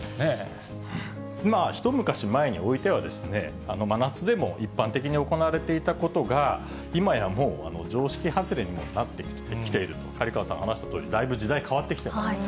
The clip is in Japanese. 一昔前においては、真夏でも一般的に行われていたことが、いまやもう、常識外れにもなってきていると、刈川さん話したとおり、だいぶ時代変わってきています。